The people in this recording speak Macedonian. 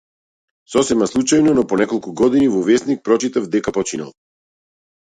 Сосема случајно, по неколку години, во весник прочитав дека починал.